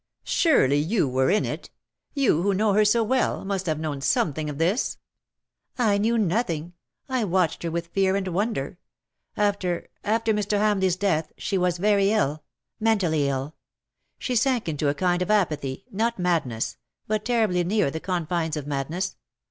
Surely you were in it — you, who know her so well, must have known something of this ?"'' I knew knowing. I watched her with fear and wonder. After — after Mr. Hamleigh^s death — she was very ill — mentally ill ; she sank into a kind of apathy — not madness — but terribly near the confines of madness.